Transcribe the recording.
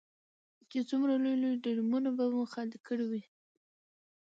چې څومره لوی لوی ډرمونه به مو خالي کړي وي.